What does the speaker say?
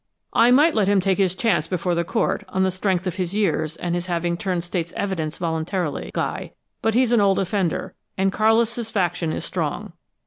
"I might let him take his chance before the court, on the strength of his years, and his having turned State's evidence voluntarily, Guy, but he's an old offender, and Carlis' faction is strong.